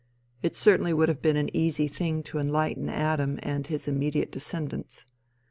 It certainly would have been an easy thing to enlighten Adam and his immediate descendants.